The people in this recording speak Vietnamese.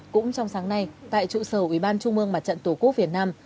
cũng trong sáng nay tại trụ sở ủy ban trung mương mặt trận tổ quốc việt nam